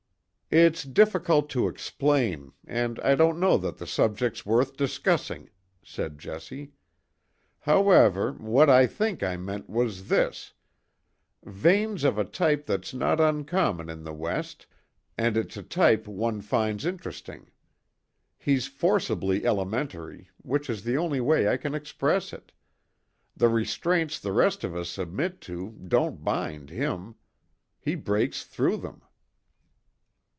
"It's difficult to explain, and I don't know that the subject's worth discussing," said Jessie. "However, what I think I meant was this Vane's of a type that's not uncommon in the West, and it's a type one finds interesting. He's forcibly elementary, which is the only way I can express it; the restraints the rest of us submit to don't bind him; he breaks through them."